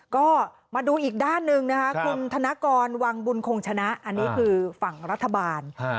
ก็มาดูอีกด้านหนึ่งนะคะคุณธนกรวังบุญคงชนะอันนี้คือฝั่งรัฐบาล